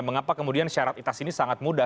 mengapa kemudian syarat itas ini sangat mudah